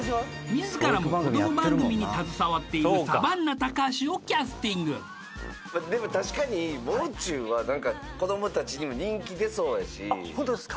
自らも子ども番組に携わっているサバンナ高橋をキャスティングでも確かにもう中は何かあっホントですか？